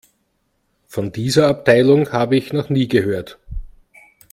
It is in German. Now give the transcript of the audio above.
Von dieser Abteilung habe ich noch nie gehört.